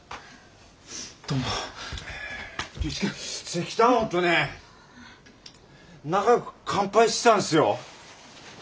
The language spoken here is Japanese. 石炭王とね仲良く乾杯してたんですよ。